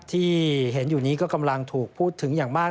ที่เห็นอยู่นี้ก็กำลังถูกพูดถึงอย่างมาก